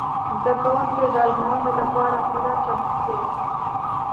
زده کوونکي د ازموینو لپاره پوره چمتو دي.